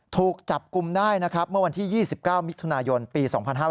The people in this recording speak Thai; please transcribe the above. ถูกจับกลุ่มได้นะครับเมื่อวันที่๒๙มิถุนายนปี๒๕๕๙